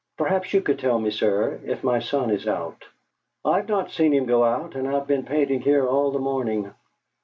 "Perhaps you could tell me, sir, if my son is out?" "I've not seen him go out; and I've been painting here all the morning."